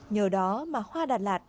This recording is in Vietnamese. nhờ đó mà hoa đà lạt